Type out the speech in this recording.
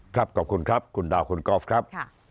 ขอบคุณครับคุณดาวคุณกอล์ฟครับ